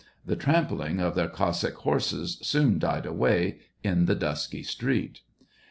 The trampling of their Cossack horses soon died away in the dusky street.